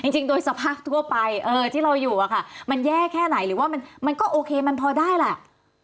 จริงโดยสภาพทั่วไปที่เราอยู่อะค่ะมันแย่แค่ไหนหรือว่ามันก็โอเคมันพอได้แหละ